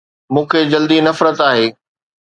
مون کي جلدي نفرت آهي